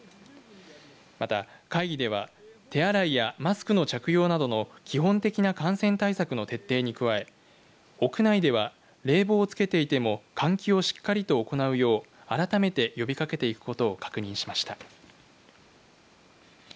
また、会議では手洗いやマスクの着用などの基本的な感染対策の徹底に加え屋内では冷房をつけていても換気をしっかりと行うよう改めて呼びかけていくことを確認しました。